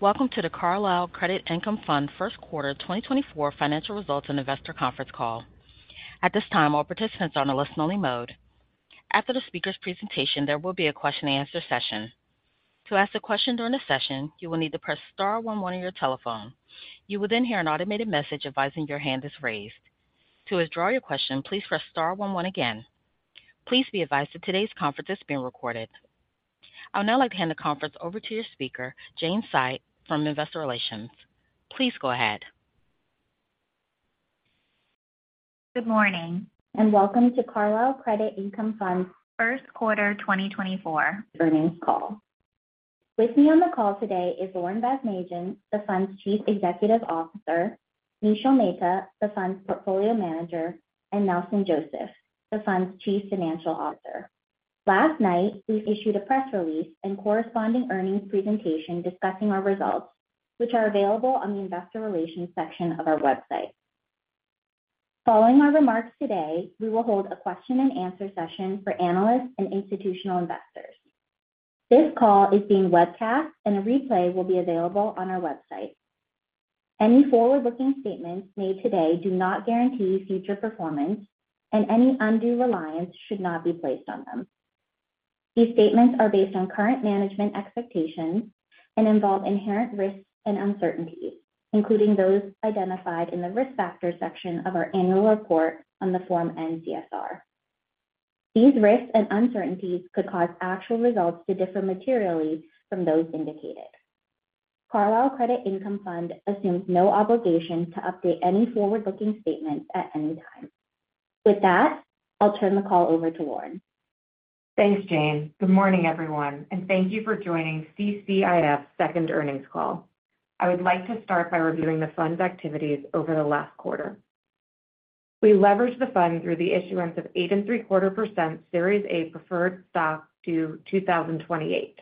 Welcome to the Carlyle Credit Income Fund Q1 2024 financial results and investor conference call. At this time, all participants are on a listen-only mode. After the speaker's presentation, there will be a question-and-answer session. To ask a question during the session, you will need to press star one one on your telephone. You will then hear an automated message advising your hand is raised. To withdraw your question, please press star one one again. Please be advised that today's conference is being recorded. I would now like to hand the conference over to your speaker, Jane Cai from Investor Relations. Please go ahead. Good morning, and welcome to Carlyle Credit Income Fund's Q1 2024 earnings call. With me on the call today is Lauren Basmadjian, the fund's Chief Executive Officer, Nishil Mehta, the fund's Portfolio Manager, and Nelson Joseph, the fund's Chief Financial Officer. Last night, we issued a press release and corresponding earnings presentation discussing our results, which are available on the investor relations section of our website. Following our remarks today, we will hold a question-and-answer session for analysts and institutional investors. This call is being webcast, and a replay will be available on our website. Any forward-looking statements made today do not guarantee future performance, and any undue reliance should not be placed on them. These statements are based on current management expectations and involve inherent risks and uncertainties, including those identified in the Risk Factors section of our annual report on the Form N-CSR. These risks and uncertainties could cause actual results to differ materially from those indicated. Carlyle Credit Income Fund assumes no obligation to update any forward-looking statements at any time. With that, I'll turn the call over to Lauren. Thanks, Jane. Good morning, everyone, and thank you for joining CCIF's second earnings call. I would like to start by reviewing the fund's activities over the last quarter. We leveraged the fund through the issuance of 8.75% Series A Preferred Stock to 2028.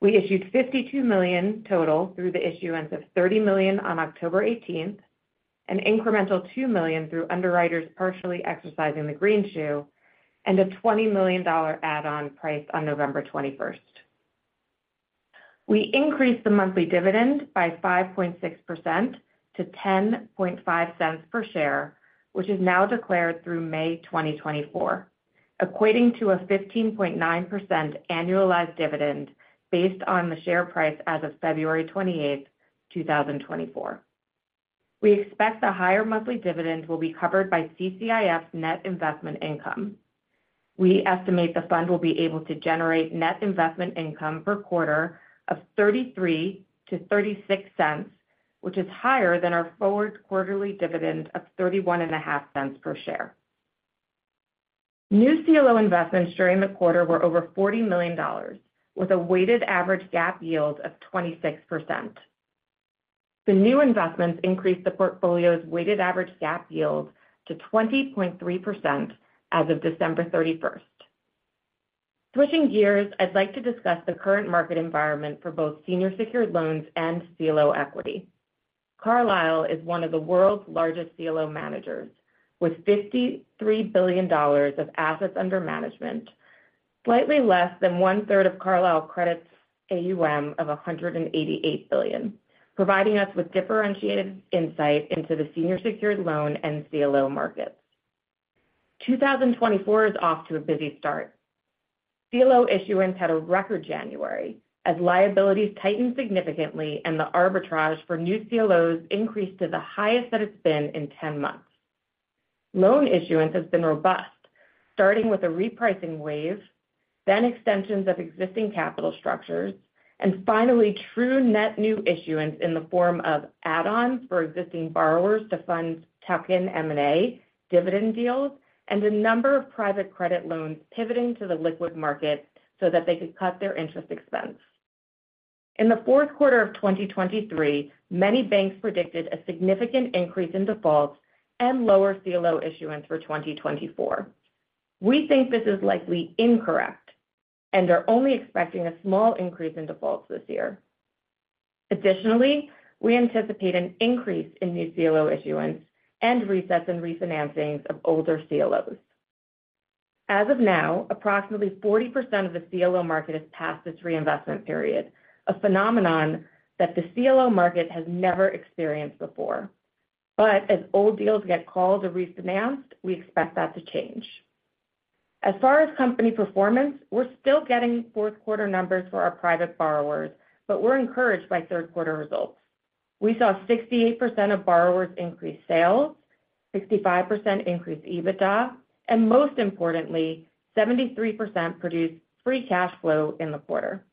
We issued $52 million total through the issuance of $30 million on October 18, an incremental $2 million through underwriters partially exercising the greenshoe, and a $20 million add-on priced on November 21. We increased the monthly dividend by 5.6% to $0.105 per share, which is now declared through May 2024, equating to a 15.9% annualized dividend based on the share price as of February 28, 2024. We expect the higher monthly dividend will be covered by CCIF's net investment income. We estimate the fund will be able to generate net investment income per quarter of $0.33-$0.36, which is higher than our forward quarterly dividend of $0.315 per share. New CLO investments during the quarter were over $40 million, with a weighted average GAAP yield of 26%. The new investments increased the portfolio's weighted average GAAP yield to 20.3% as of December 31. Switching gears, I'd like to discuss the current market environment for both senior secured loans and CLO equity. Carlyle is one of the world's largest CLO managers, with $53 billion of assets under management, slightly less than one-third of Carlyle Credit's AUM of $188 billion, providing us with differentiated insight into the senior secured loan and CLO markets. 2024 is off to a busy start. CLO issuance had a record January, as liabilities tightened significantly and the arbitrage for new CLOs increased to the highest that it's been in 10 months. Loan issuance has been robust, starting with a repricing wave, then extensions of existing capital structures, and finally, true net new issuance in the form of add-ons for existing borrowers to fund tuck-in M&A dividend deals, and a number of private credit loans pivoting to the liquid market so that they could cut their interest expense. In the Q4 of 2023, many banks predicted a significant increase in defaults and lower CLO issuance for 2024. We think this is likely incorrect and are only expecting a small increase in defaults this year. Additionally, we anticipate an increase in new CLO issuance and resets and refinancings of older CLOs. As of now, approximately 40% of the CLO market is past its reinvestment period, a phenomenon that the CLO market has never experienced before. But as old deals get called to refinance, we expect that to change. As far as company performance, we're still getting Q4 numbers for our private borrowers, but we're encouraged by third quarter results. We saw 68% of borrowers increase sales, 65% increase EBITDA, and most importantly, 73% produced free cash flow in the quarter.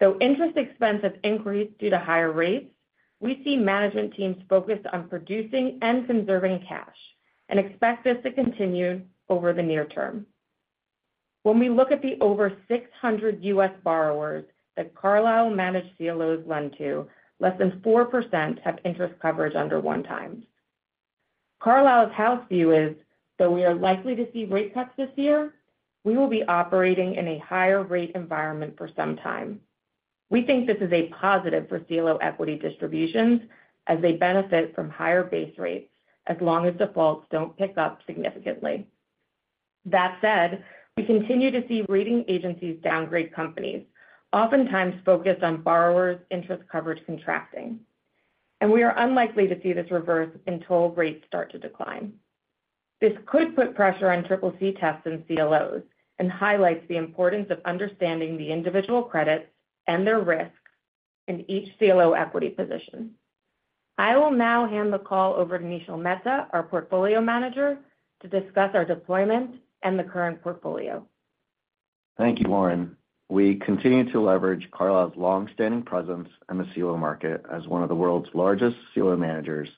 So interest expense have increased due to higher rates. We see management teams focused on producing and conserving cash and expect this to continue over the near term. When we look at the over 600 U.S. borrowers that Carlyle managed CLOs lend to, less than 4% have interest coverage under 1x. Carlyle's house view is, though we are likely to see rate cuts this year, we will be operating in a higher rate environment for some time. We think this is a positive for CLO equity distributions as they benefit from higher base rates as long as defaults don't pick up significantly. That said, we continue to see rating agencies downgrade companies, oftentimes focused on borrowers' interest coverage contracting, and we are unlikely to see this reverse until rates start to decline. This could put pressure on CCC tests and CLOs and highlights the importance of understanding the individual credits and their risks in each CLO equity position. I will now hand the call over to Nishil Mehta, our portfolio manager, to discuss our deployment and the current portfolio. Thank you, Lauren. We continue to leverage Carlyle's long-standing presence in the CLO market as one of the world's largest CLO managers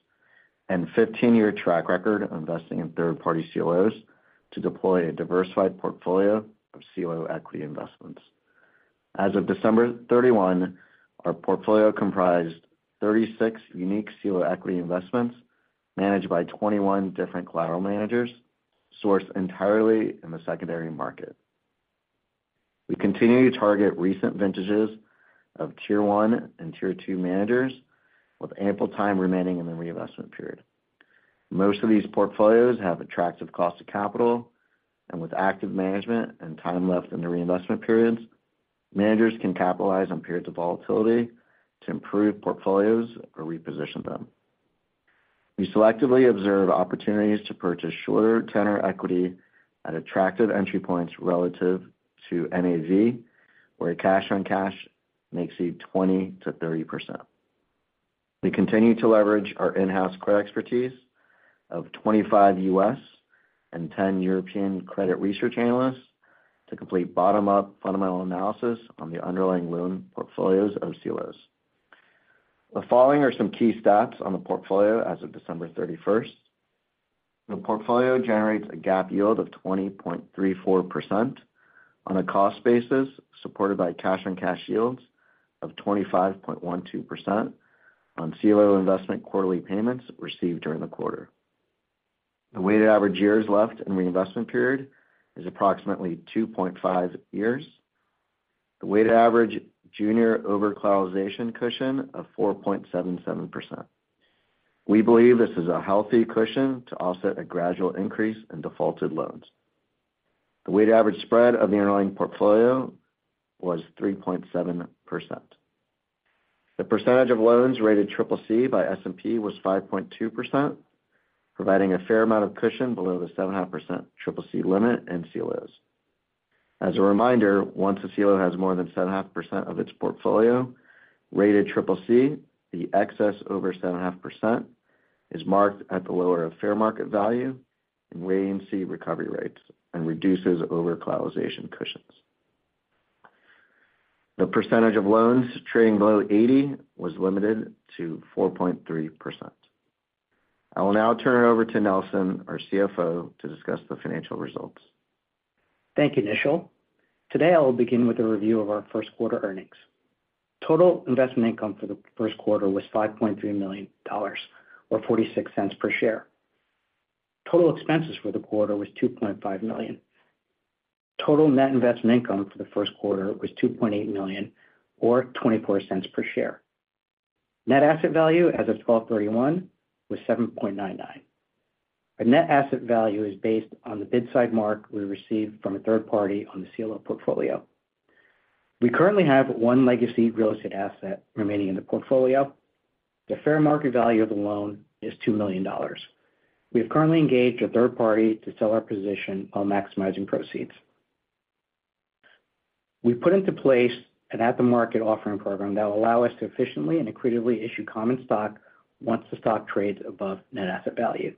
and 15-year track record of investing in third-party CLOs to deploy a diversified portfolio of CLO equity investments. As of December 31, our portfolio comprised 36 unique CLO equity investments, managed by 21 different collateral managers, sourced entirely in the secondary market. We continue to target recent vintages of Tier 1 and Tier 2 managers with ample time remaining in the reinvestment period. Most of these portfolios have attractive cost of capital, and with active management and time left in the reinvestment periods, managers can capitalize on periods of volatility to improve portfolios or reposition them. We selectively observe opportunities to purchase shorter tenor equity at attractive entry points relative to NAV, where a cash-on-cash may exceed 20%-30%. We continue to leverage our in-house credit expertise of 25 US and 10 European credit research analysts to complete bottom-up fundamental analysis on the underlying loan portfolios of CLOs. The following are some key stats on the portfolio as of December 31. The portfolio generates a GAAP yield of 20.34% on a cost basis, supported by cash-on-cash yields of 25.12% on CLO investment quarterly payments received during the quarter. The weighted average years left in Reinvestment Period is approximately 2.5 years. The weighted average junior overcollateralization cushion of 4.77%. We believe this is a healthy cushion to offset a gradual increase in defaulted loans. The weighted average spread of the underlying portfolio was 3.7%. The percentage of loans rated CCC by S&P was 5.2%, providing a fair amount of cushion below the 7.5% CCC limit in CLOs. As a reminder, once a CLO has more than 7.5% of its portfolio rated CCC, the excess over 7.5% is marked at the lower of fair market value and rating C recovery rates and reduces overcollateralization cushions. The percentage of loans trading below 80 was limited to 4.3%. I will now turn it over to Nelson, our CFO, to discuss the financial results. Thank you, Nishil. Today, I will begin with a review of our Q1 earnings. Total investment income for the Q1 was $5.3 million, or $0.46 per share. Total expenses for the quarter was $2.5 million. Total net investment income for the Q1 was $2.8 million, or $0.24 per share. Net asset value as of 12/31 was $7.99. Our net asset value is based on the bid side mark we received from a third party on the CLO portfolio. We currently have 1 legacy real estate asset remaining in the portfolio. The fair market value of the loan is $2 million. We have currently engaged a third party to sell our position while maximizing proceeds. We put into place an at-the-market offering program that will allow us to efficiently and accretively issue common stock once the stock trades above net asset value.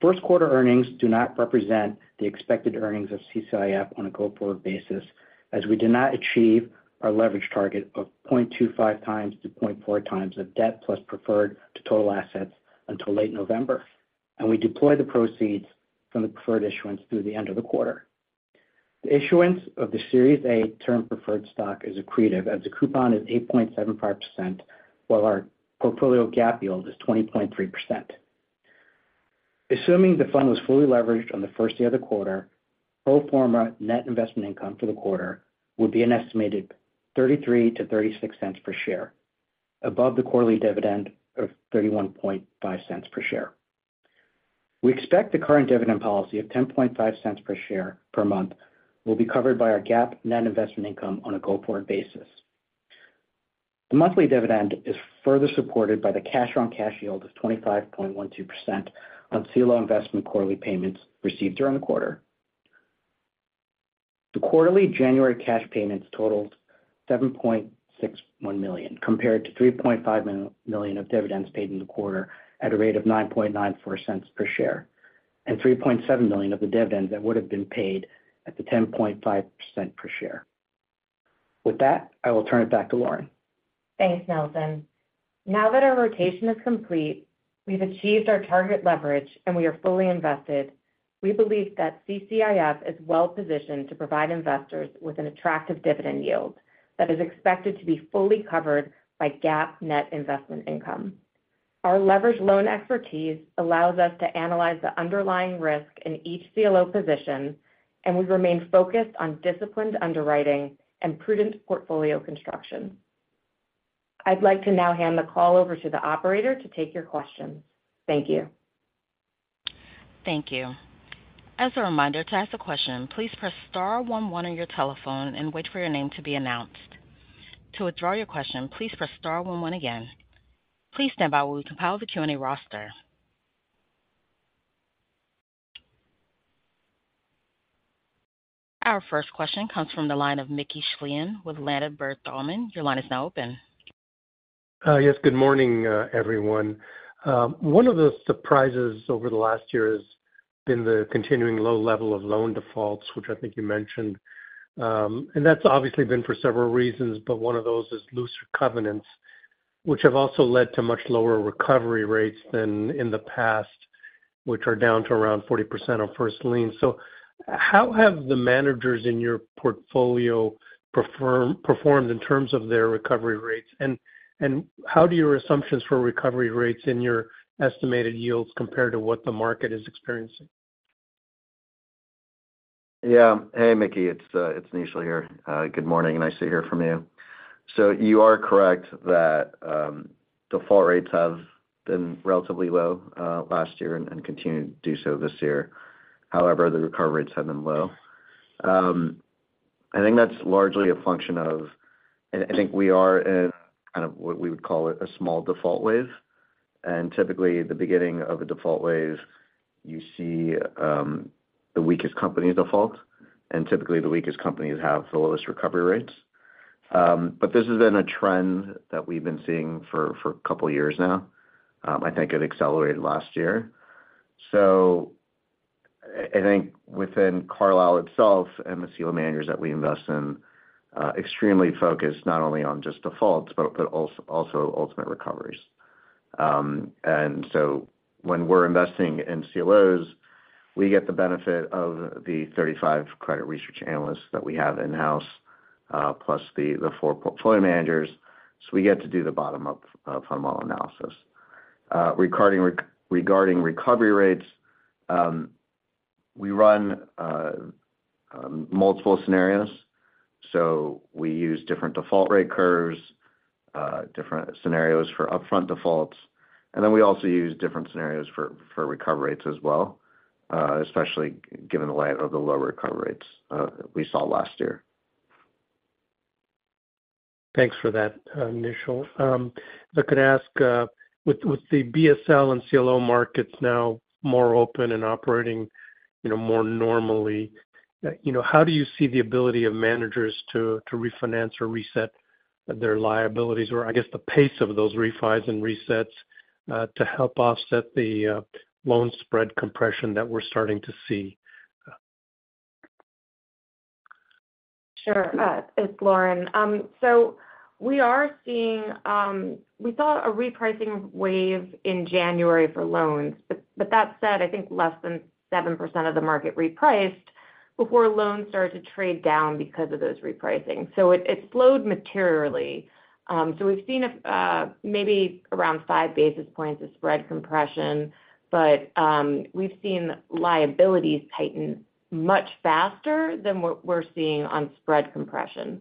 First quarter earnings do not represent the expected earnings of CCIF on a go-forward basis, as we did not achieve our leverage target of 0.25x to 0.4x of debt plus preferred to total assets until late November, and we deployed the proceeds from the preferred issuance through the end of the quarter. The issuance of the Series A term preferred stock is accretive, as the coupon is 8.75%, while our portfolio GAAP yield is 20.3%. Assuming the fund was fully leveraged on the first day of the quarter, pro forma net investment income for the quarter would be an estimated $0.33-$0.36 per share, above the quarterly dividend of $0.315 per share. We expect the current dividend policy of $0.105 per share per month will be covered by our GAAP net investment income on a go-forward basis. The monthly dividend is further supported by the cash-on-cash yield of 25.12% on CLO investment quarterly payments received during the quarter. The quarterly January cash payments totaled $7.61 million, compared to $3.5 million of dividends paid in the quarter at a rate of $0.0994 per share, and $3.7 million of the dividends that would have been paid at the 10.5% per share. With that, I will turn it back to Lauren. Thanks, Nelson. Now that our rotation is complete, we've achieved our target leverage, and we are fully invested, we believe that CCIF is well positioned to provide investors with an attractive dividend yield that is expected to be fully covered by GAAP net investment income. Our leveraged loan expertise allows us to analyze the underlying risk in each CLO position, and we remain focused on disciplined underwriting and prudent portfolio construction.... I'd like to now hand the call over to the operator to take your questions. Thank you. Thank you. As a reminder, to ask a question, please press star one one on your telephone and wait for your name to be announced. To withdraw your question, please press star one one again. Please stand by while we compile the Q&A roster. Our first question comes from the line of Mickey Schleien with Ladenburg Thalmann. Your line is now open. Yes, good morning, everyone. One of the surprises over the last year has been the continuing low level of loan defaults, which I think you mentioned. And that's obviously been for several reasons, but one of those is looser covenants, which have also led to much lower recovery rates than in the past, which are down to around 40% on first lien. So how have the managers in your portfolio performed in terms of their recovery rates? And how do your assumptions for recovery rates in your estimated yields compare to what the market is experiencing? Yeah. Hey, Mickey, it's, it's Nishil here. Good morning. Nice to hear from you. So you are correct that, default rates have been relatively low, last year and, and continue to do so this year. However, the recovery rates have been low. I think that's largely a function of-- and I think we are in kind of what we would call it, a small default wave. And typically, the beginning of a default wave, you see, the weakest companies default, and typically the weakest companies have the lowest recovery rates. But this has been a trend that we've been seeing for, for a couple of years now. I think it accelerated last year. So I, I think within Carlyle itself and the CLO managers that we invest in, extremely focused not only on just defaults, but, but also ultimate recoveries. And so when we're investing in CLOs, we get the benefit of the 35 credit research analysts that we have in-house, plus the four portfolio managers. So we get to do the bottom-up analysis. Regarding recovery rates, we run multiple scenarios. So we use different default rate curves, different scenarios for upfront defaults, and then we also use different scenarios for recovery rates as well, especially in light of the lower recovery rates we saw last year. Thanks for that, Nishil. If I could ask, with the BSL and CLO markets now more open and operating, you know, more normally, you know, how do you see the ability of managers to refinance or reset their liabilities, or I guess, the pace of those refis and resets, to help offset the loan spread compression that we're starting to see? Sure. It's Lauren. So we are seeing. We saw a repricing wave in January for loans. But that said, I think less than 7% of the market repriced before loans started to trade down because of those repricing. So it slowed materially. So we've seen a maybe around 5 basis points of spread compression, but we've seen liabilities tighten much faster than what we're seeing on spread compression.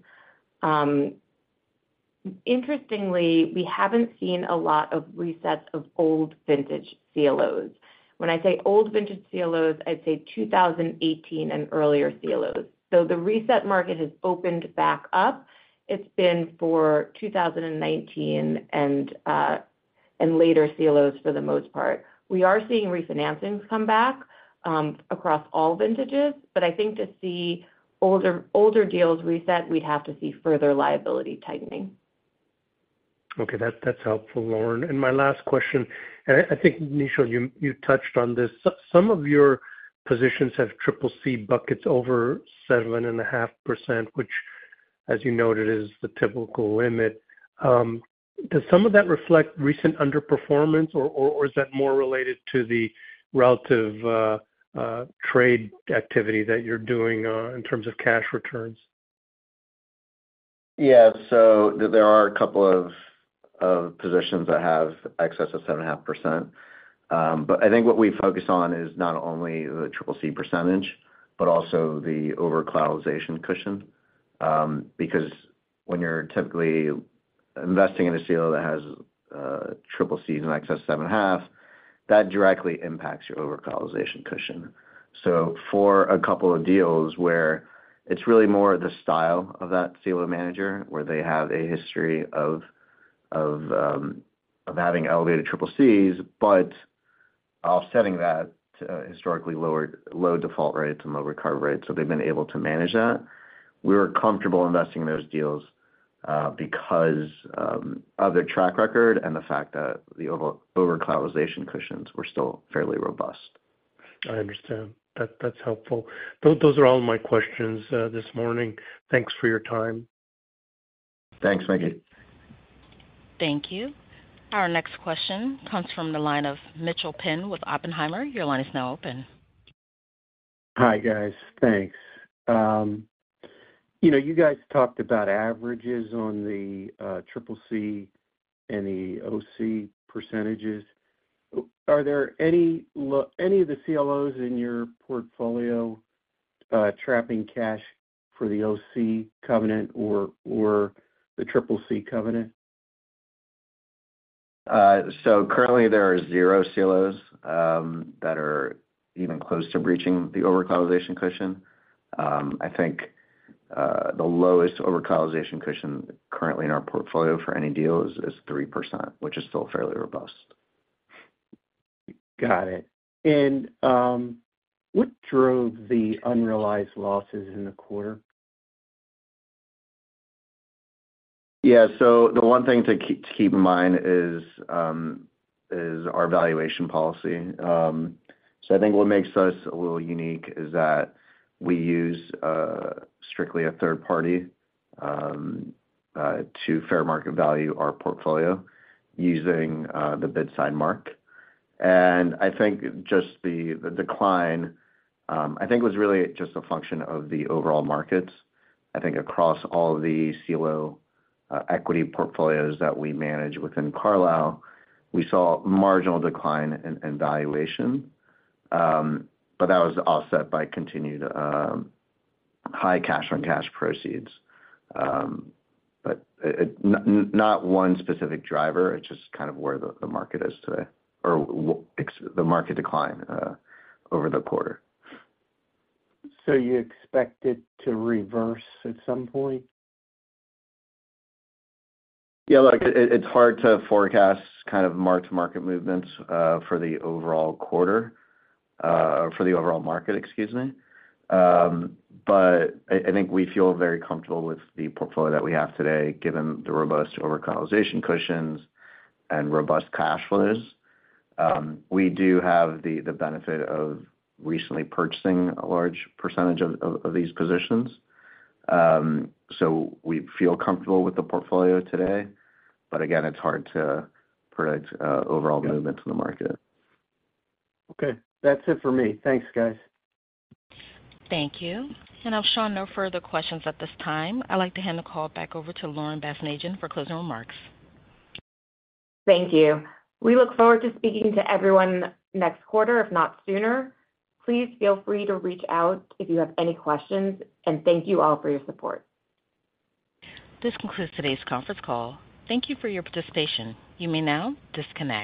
Interestingly, we haven't seen a lot of resets of old vintage CLOs. When I say old vintage CLOs, I'd say 2018 and earlier CLOs. So the reset market has opened back up. It's been for 2019 and later CLOs for the most part. We are seeing refinancings come back, across all vintages, but I think to see older deals reset, we'd have to see further liability tightening. Okay, that's helpful, Lauren. And my last question, I think, Nishil, you touched on this. Some of your positions have CCC buckets over 7.5%, which, as you noted, is the typical limit. Does some of that reflect recent underperformance, or is that more related to the relative trade activity that you're doing in terms of cash returns? Yeah. So there are a couple of positions that have excess of 7.5%. But I think what we focus on is not only the CCC percentage, but also the overcollateralization cushion. Because when you're typically investing in a CLO that has CCC in excess of 7.5%, that directly impacts your overcollateralization cushion. So for a couple of deals where it's really more the style of that CLO manager, where they have a history of having elevated CCCs, but offsetting that to historically lower low default rates and low recovery rates, so they've been able to manage that, we were comfortable investing in those deals, because of their track record and the fact that the overcollateralization cushions were still fairly robust. I understand. That's helpful. Those, those are all my questions this morning. Thanks for your time. Thanks, Mickey. Thank you. Our next question comes from the line of Mitchel Penn with Oppenheimer. Your line is now open. Hi, guys. Thanks. You know, you guys talked about averages on the CCC and the OC percentages. Are there any of the CLOs in your portfolio trapping cash for the OC covenant or the CCC covenant? So currently there are zero CLOs that are even close to breaching the overcollateralization cushion. I think the lowest overcollateralization cushion currently in our portfolio for any deal is 3%, which is still fairly robust. Got it. What drove the unrealized losses in the quarter? Yeah. So the one thing to keep in mind is our valuation policy. So I think what makes us a little unique is that we use strictly a third party to fair market value our portfolio using the bid-side mark. And I think just the decline was really just a function of the overall markets. I think across all the CLO equity portfolios that we manage within Carlyle, we saw a marginal decline in valuation. But that was offset by continued high cash-on-cash proceeds. But not one specific driver, it's just kind of where the market is today, or the market declined over the quarter. You expect it to reverse at some point? Yeah, look, it's hard to forecast kind of mark-to-market movements for the overall quarter for the overall market, excuse me. But I think we feel very comfortable with the portfolio that we have today, given the robust overcollateralization cushions and robust cash flows. We do have the benefit of recently purchasing a large percentage of these positions. So we feel comfortable with the portfolio today, but again, it's hard to predict overall movements in the market. Okay. That's it for me. Thanks, guys. Thank you. And I'm showing no further questions at this time. I'd like to hand the call back over to Lauren Basmadjian for closing remarks. Thank you. We look forward to speaking to everyone next quarter, if not sooner. Please feel free to reach out if you have any questions, and thank you all for your support. This concludes today's conference call. Thank you for your participation. You may now disconnect.